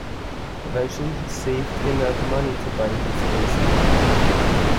Eventually, he saved enough money to buy his first camera.